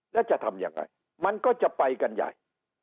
แล้วจะทำยังไงมันก็จะไปกันใหญ่